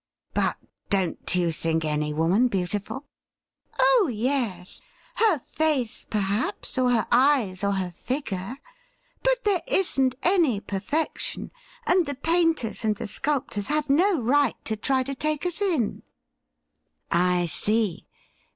' But don't you think any woman beautiful ?'' Oh yes ; her face, perhaps, or her eyes, or her figure ;: but there isn't any perfection, and the painters and the sculptors have no right to try to take us in.' ' I see.